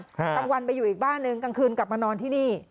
กลางวันไปอยู่อีกบ้านหนึ่งกลางคืนกลับมานอนที่นี่